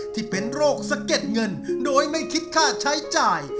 ที่เป็นโรคสะเก็ดเงินโดยไม่คิดค่าใช้จ่าย